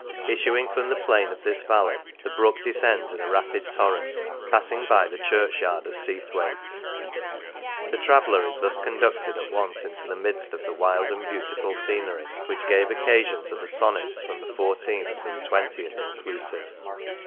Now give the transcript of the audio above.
Issuing from the plain of this valley, the Brook descends in a rapid torrent, passing by the church yard of Seathwaite. The traveller is thus conducted at once into the midst of the wild and beautiful scenery which gave occasion to the Sonnets from the 14th to the 20th inclusive.